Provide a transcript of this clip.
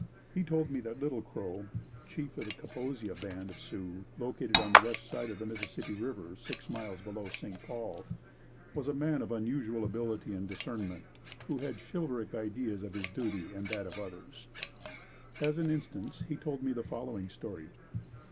He told me that Little Crow, the chief of the Kaposia Band of Sioux, located on the west side of the Mississippi river, six miles below St. Paul, was a man of unusual ability and discernment, who had chivalric ideas of his duty and that of others. As an instance he told me the following story.